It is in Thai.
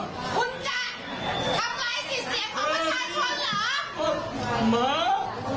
สำที่สุด